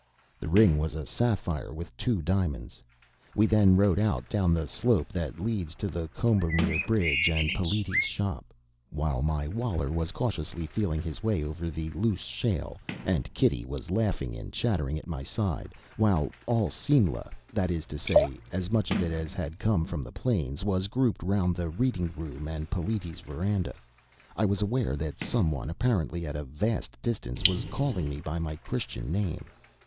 The ring was a sapphire with two diamonds. We then rode out down the slope that leads to the Combermere Bridge and Peliti's shop. While my Waler was cautiously feeling his way over the loose shale, and Kitty was laughing and chattering at my side while all Simla, that is to say as much of it as had then come from the Plains, was grouped round the Reading room and Peliti's veranda, I was aware that some one, apparently at a vast distance, was calling me by my Christian name.